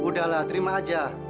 udahlah terima aja